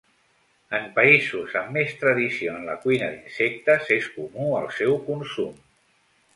En països amb més tradició en la cuina d'insectes és comú el seu consum.